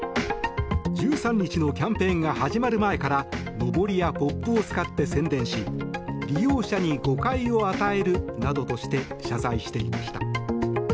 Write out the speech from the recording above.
１３日のキャンペーンが始まる前からのぼりやポップを使って宣伝し利用者に誤解を与えるなどとして謝罪していました。